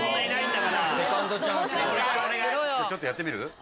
ちょっとやってみる？